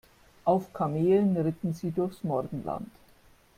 Auf Kamelen ritten sie durchs Morgenland.